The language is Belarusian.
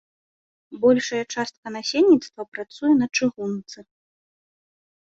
Большая частка насельніцтва працуе на чыгунцы.